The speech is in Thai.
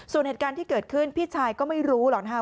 ส่วนเหตุการณ์ที่เกิดขึ้นพี่ชายก็ไม่รู้หรอกนะคะ